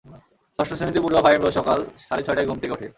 ষষ্ঠ শ্রেণিতে পড়ুয়া ফাহিম রোজ সকাল সাড়ে ছয়টায় ঘুম থেকে ওঠে।